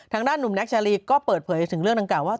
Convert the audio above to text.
ทางด้านหนุ่มแน็กชาลีก็เปิดเผยถึงเรื่องดังกล่าวว่า